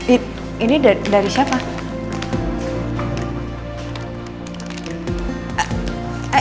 ini dari siapa